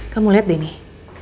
kamu lihat deh nih